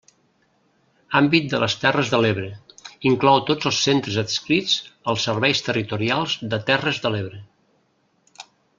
Àmbit de les Terres de l'Ebre: inclou tots els centres adscrits als Serveis Territorials de Terres de l'Ebre.